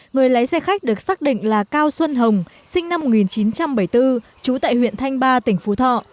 người lái xe khách được xác định là cao xuân hồng sinh năm một nghìn chín trăm bảy mươi bốn trú tại huyện thanh ba tỉnh phú thọ